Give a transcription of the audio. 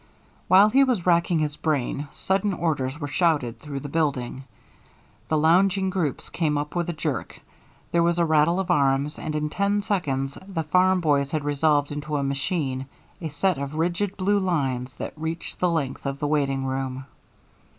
While he was racking his brain sudden orders were shouted through the building. The lounging groups came up with a jerk, there was a rattle of arms, and in ten seconds the farm boys had resolved into a machine, a set of rigid blue lines that reached the length of the waiting room.